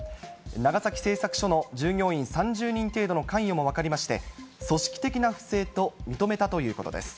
長崎製作所の従業員３０人程度の関与も分かりまして、組織的な不正と認めたということです。